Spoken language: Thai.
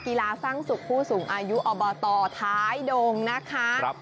สร้างสุขผู้สูงอายุอบตท้ายดงนะคะ